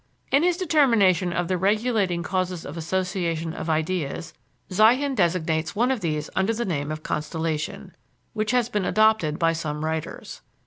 In his determination of the regulating causes of association of ideas, Ziehen designates one of these under the name of "constellation," which has been adopted by some writers.